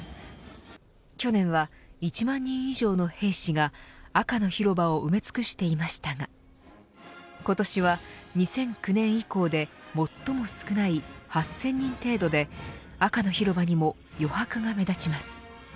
去年は１万人以上の兵士が赤の広場を埋め尽くしていましたが今年は２００９年以降で最も少ない８０００人程度で赤の広場にも余白が目立ちます。